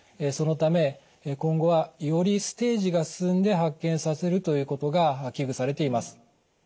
そのため今後はよりステージが進んで発見させるということが危惧されています。